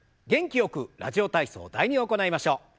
元気よく「ラジオ体操第２」を行いましょう。